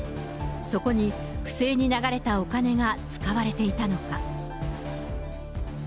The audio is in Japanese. そこに不正に流れたお金が使われていたのか。